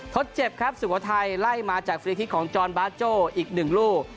ทดเจ็บครับสุโขทัยไล่มาจากฟรีคลิกของจอนบาโจ้อีก๑ลูก